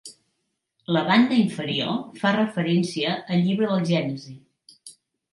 La banda inferior fa referència al llibre del Gènesi.